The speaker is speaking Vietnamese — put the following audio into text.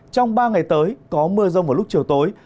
trong ba ngày tới có mưa rông vào lúc chiều tối